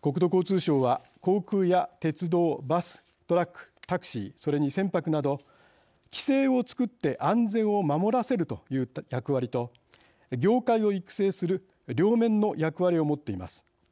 国土交通省は航空や鉄道バス・トラック、タクシーそれに船舶など、規制を作って安全を守らせるという役割と業界を育成する両面の役割を持っています。